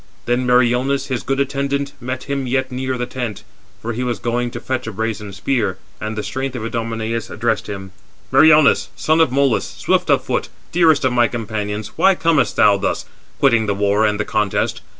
Then Meriones, his good attendant, met him yet near the tent,—for he was going to fetch a brazen spear; and the strength of Idomeneus addressed him: "Meriones, son of Molus, swift of foot, dearest of my companions, why comest thou thus, quitting the war and the contest?